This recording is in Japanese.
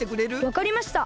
わかりました。